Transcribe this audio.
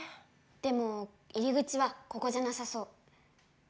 でも入り口はここじゃなさそう。